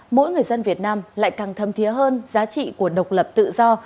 mỗi người dân việt nam lại càng thâm thiế hơn giá trị của độc lập tự do